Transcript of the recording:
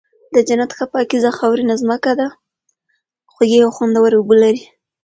د جنت ښه پاکيزه خاورينه زمکه ده، خوږې او خوندوَري اوبه لري